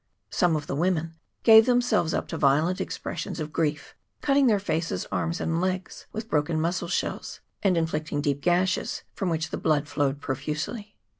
Some of the women gave themselves up to violent expressions of grief, cutting their faces, arms, and legs, with broken muscle shells, and inflicting deep gashes, from which the blood flowed profusely.